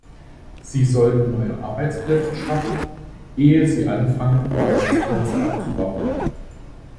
Sie sollten neue Arbeitsplätze schaffen, ehe Sie anfangen, Arbeitsplätze abzubauen!